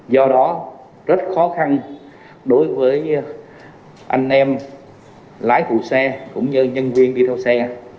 do đó rất khó khăn đối với anh em lái phụ xe cũng như nhân viên đi theo xe